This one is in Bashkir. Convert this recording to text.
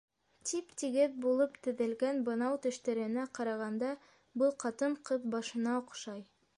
Тип-тигеҙ булып теҙелгән бынау тештәренә ҡарағанда, был ҡатын-ҡыҙ башына оҡшай.